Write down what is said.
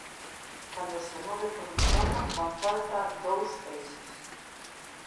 Cando se move por un plano fan falta dous eixes.